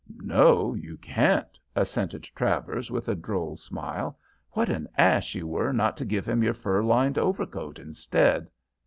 "'No, you can't,' assented Travers with a droll smile. 'What an ass you were not to give him your fur lined overcoat instead.'